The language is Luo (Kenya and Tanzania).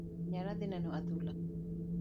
Nyoro adhi neno adhula.